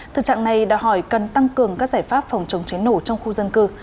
thực trạng này đã hỏi cần tăng cường các giải pháp phòng chống cháy nổ trong khu dân cư